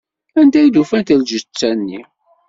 Anda ufan lǧetta-nni?